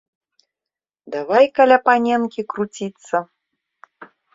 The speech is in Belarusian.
Давай каля паненкі круціцца.